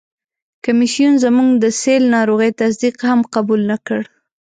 کمیسیون زموږ د سِل ناروغي تصدیق هم قبول نه کړ.